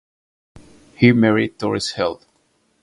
He married Doris Hill.